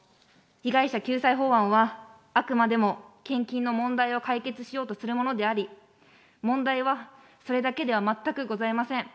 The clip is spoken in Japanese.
被害者救済法案は、あくまでも献金の問題を解決しようとするものであり、問題はそれだけでは全くございません。